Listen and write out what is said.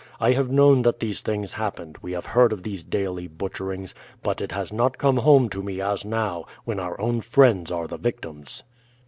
I have known that these things happened, we have heard of these daily butcherings, but it has not come home to me as now, when our own friends are the victims."